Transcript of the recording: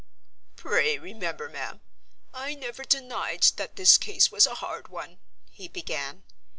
"Pray remember, ma'am, I never denied that this case was a hard one," he began.